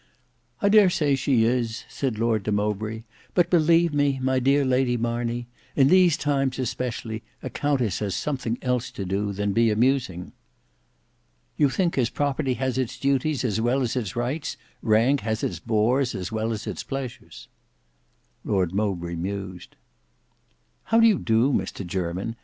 "I dare say she is," said Lord de Mowbray; "but believe me, my dear Lady Marney, in these times especially, a countess has something else to do than be amusing." "You think as property has its duties as well as its rights, rank has its bores as well as its pleasures." Lord Mowbray mused. "How do you do, Mr Jermyn?"